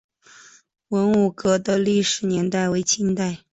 文武阁的历史年代为清代。